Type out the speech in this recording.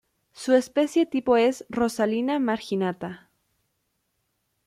Su especie tipo es "Rosalina marginata".